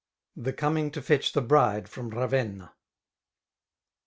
The coming to fetch the Bride from Ravenna.